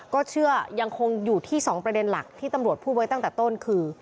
ก็เชื่อยังคงอยู่ที่๒ประเด็นหลักที่ตำรวจพูดไว้ตั้งแต่ต้นคือ